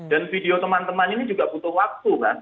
dan video teman teman ini juga butuh waktu kan